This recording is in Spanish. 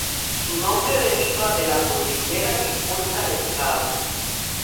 Su nombre deriva de la cordillera que corta el estado.